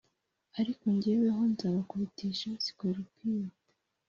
ariko jyeweho nzabakubitisha sikorupiyo